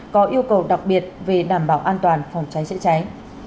có yêu cầu đặc biệt về đảm bảo an toàn phòng trái trễ trái